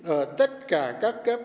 ở tất cả các cấp